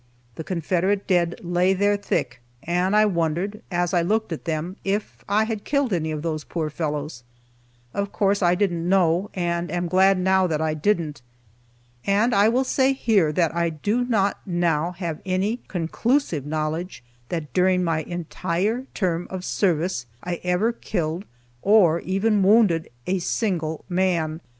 The Confederate dead lay there thick, and I wondered, as I looked at them, if I had killed any of those poor fellows. Of course I didn't know, and am glad now that I didn't. And I will say here that I do not now have any conclusive knowledge that during my entire term of service I ever killed, or even wounded, a single man.